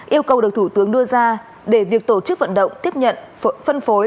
yêu cầu được thủ tướng đưa ra để việc tổ chức vận động tiếp nhận phân phối